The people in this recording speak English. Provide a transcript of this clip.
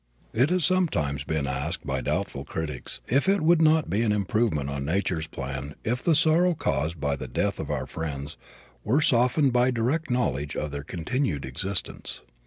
It has sometimes been asked by doubtful critics if it would not be an improvement on nature's plan if the sorrow caused by the death of our friends were softened by direct knowledge of their continued existence.